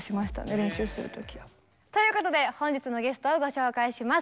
練習する時。ということで本日のゲストをご紹介します。